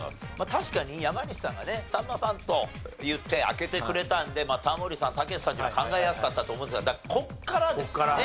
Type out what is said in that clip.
確かに山西さんがねさんまさんと言って開けてくれたんでタモリさんたけしさんには考えやすかったと思うんですがここからですよね。